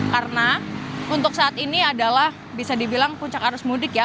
karena untuk saat ini adalah bisa dibilang puncak arus mudik ya